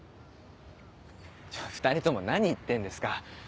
２人とも何言ってんですか。